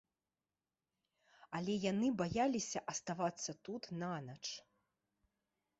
Але яны баяліся аставацца тут нанач.